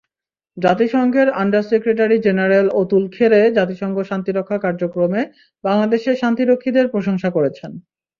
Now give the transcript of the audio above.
জাতিসংঘের under secretary general Atul Khare জাতিসংঘ শান্তিরক্ষা কার্যক্রমে বাংলাদেশের শান্তিরক্ষীদের প্রশংসা করছেন।